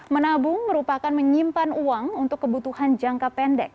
menabung merupakan menyimpan uang untuk kebutuhan jangka pendek